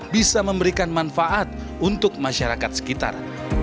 bisa memberikan manfaat untuk masyarakat sekitar